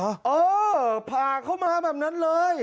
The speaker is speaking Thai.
เออผ่าเข้ามาแบบนั้นเลย